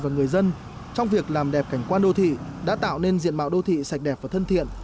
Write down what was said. và người dân trong việc làm đẹp cảnh quan đô thị đã tạo nên diện mạo đô thị sạch đẹp và thân thiện